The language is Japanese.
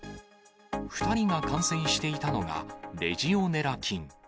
２人が感染していたのが、レジオネラ菌。